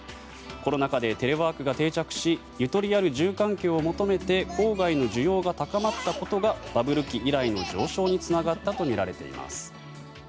コロナ禍でテレワークが定着しゆとりある住環境を求めて郊外の需要が高まったことがバブル期以来の上昇につながったとみられています。